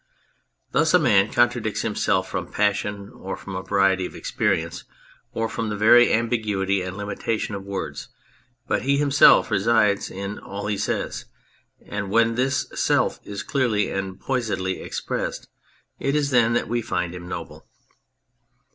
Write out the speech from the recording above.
Thus a man contradicts himself from passion or from a variety of experience or from the very ambiguity and limitation of words, but he himself resides in all he says, and when this self is clearly and poisedly expressed it is then that we find him noble.